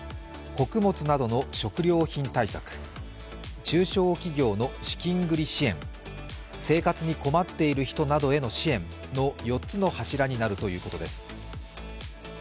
穀物などの食料品対策、中小企業の資金繰り対策、生活に困っている人などへの支援の４つの柱になるということです。